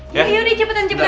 iya iya nih cepetan cepetan